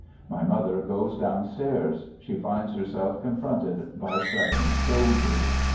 My mother goes down stairs. She finds herself confronted by seven soldiers.